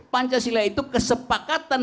pancasila itu kesepakatan